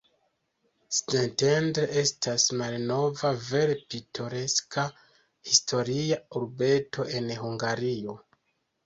Szentendre estas malnova, vere pitoreska historia urbeto en Hungario.